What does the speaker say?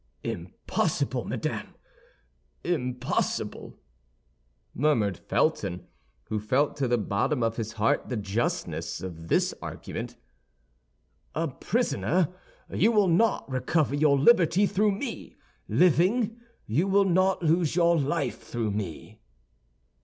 "Impossible, madame, impossible," murmured Felton, who felt to the bottom of his heart the justness of this argument. "A prisoner, you will not recover your liberty through me; living, you will not lose your life through me."